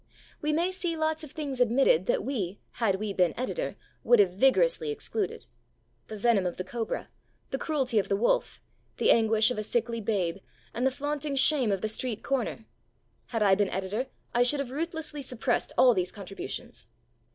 We may see lots of things admitted that we, had we been editor, would have vigorously excluded. The venom of the cobra, the cruelty of the wolf, the anguish of a sickly babe, and the flaunting shame of the street corner; had I been editor I should have ruthlessly suppressed all these contributions.